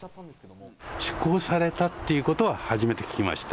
施行されたっていうことは初めて聞きました。